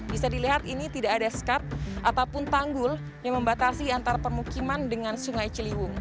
bisa dilihat ini tidak ada skart ataupun tanggul yang membatasi antara permukiman dengan sungai ciliwung